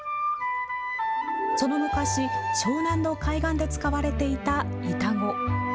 その昔湘南の海岸で使われていた板子。